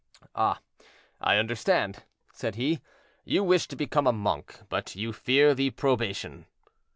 "Ah! I understand," said he; "you wish to become a monk, but you fear the probation."